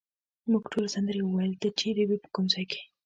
موږ ټولو سندرې وویلې، ته چیرې وې، په کوم ځای کې؟